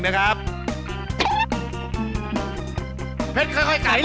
อ่าค่อยไก่